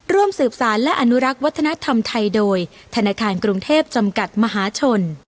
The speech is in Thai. ร่วมสืบสารและอนุรักษ์วัฒนธรรมไทยโดยธนาคารกรุงเทพจำกัดมหาชน